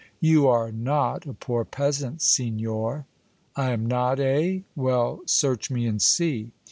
"You are not a poor peasant, signor!" "I am not, eh? Well, search me and see!"